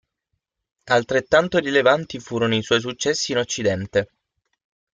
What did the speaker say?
Altrettanto rilevanti furono i suoi successi in occidente.